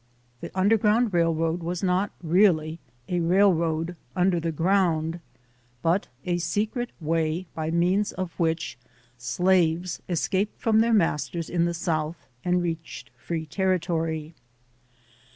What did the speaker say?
The "underground railroad" was not really a railroad under the ground, but a secret way by means of which slaves escaped from their masters in the South and reached free territory.